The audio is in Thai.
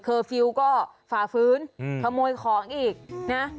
ฟิลล์ก็ฝ่าฟื้นขโมยของอีกนะ